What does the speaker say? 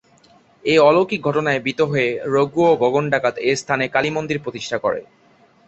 এই অলৌকিক ঘটনায় ভীত হয়ে রঘু ও গগন ডাকাত এই স্থানে কালীমন্দির প্রতিষ্ঠা করে।